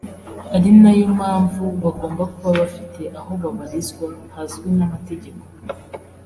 ari nayo mpamvu bagomba kuba bafite aho babarizwa hazwi n’amategeko